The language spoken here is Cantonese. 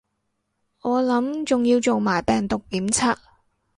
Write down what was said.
我諗仲要做埋病毒檢測